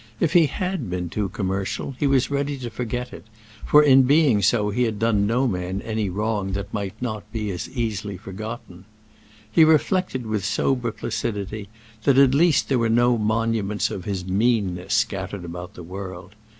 If he had been too commercial, he was ready to forget it, for in being so he had done no man any wrong that might not be as easily forgotten. He reflected with sober placidity that at least there were no monuments of his "meanness" scattered about the world.